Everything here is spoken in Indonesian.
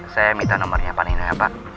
saya minta nomernya panino ya pak